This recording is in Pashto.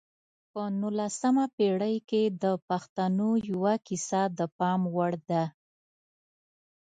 په نولسمه پېړۍ کې د پښتنو یوه کیسه د پام وړ ده.